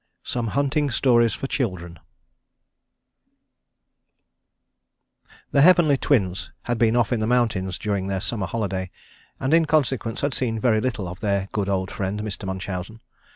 IV SOME HUNTING STORIES FOR CHILDREN The Heavenly Twins had been off in the mountains during their summer holiday, and in consequence had seen very little of their good old friend, Mr. Munchausen.